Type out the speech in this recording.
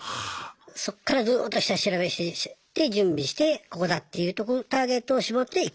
そっからずっと下調べして準備してここだっていうターゲットを絞って行く。